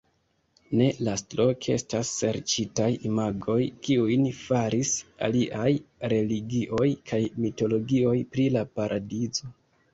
Ne lastloke estas serĉitaj imagoj, kiujn faris aliaj religioj kaj mitologioj pri la paradizo.